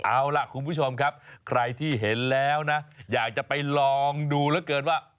เอาล่ะคุณผู้ชมครับใครที่เห็นแล้วนะอยากจะไปลองดูเหลือเกินว่า